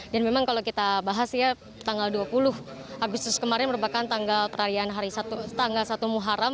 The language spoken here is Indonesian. dan memang kalau kita bahas ya tanggal dua puluh agustus kemarin merupakan tanggal perayaan tanggal satu muharam